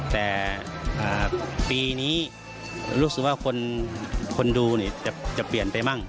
แต่ปีนี้รู้สึกว่าคนดูจะเปลี่ยนไปมั่ง